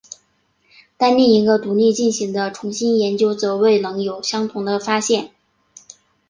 但另一个独立进行的重新研究则未能有相同的发现。